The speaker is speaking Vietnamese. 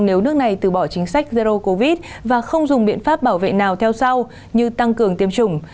nếu nước này từ bỏ chính sách zero covid và không dùng biện pháp bảo vệ nào theo sau như tăng cường tiêm chủng